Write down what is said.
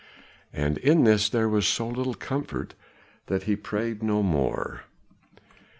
And in this there was so little comfort that he prayed no more.